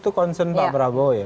itu concern pak prabowo ya